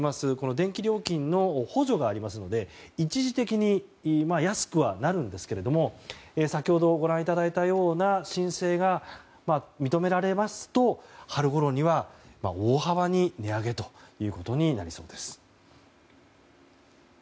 電気料金の補助がありますので一時的に安くはなるんですが先ほどご覧いただいたような申請が認められますと春ごろには大幅に値上げとなりそうです。